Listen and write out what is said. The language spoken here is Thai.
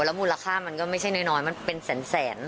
มูลค่ามันก็ไม่ใช่น้อยมันเป็นแสน